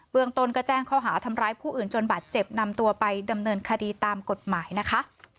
เมืองตนก็แจ้งข้อหาทำร้ายผู้อื่นจนบาดเจ็บนำตัวไปดำเนินคดีตามกฎหมายนะคะ